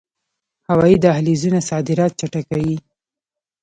هوایی دهلیزونه صادرات چټکوي